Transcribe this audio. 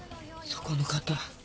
そこの方